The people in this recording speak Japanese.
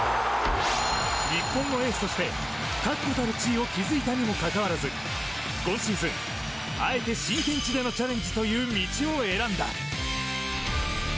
日本のエースとして確固たる地位を築いたにもかかわらず今シーズン、あえて新天地でのチャレンジという道を選んだ。